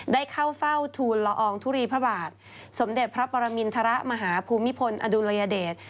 ได้เข้าเฝ้าทูลละอองทุลีพระบาทสมเด็จพระปรมินทรมาหาภูมิพลอดุลยเดช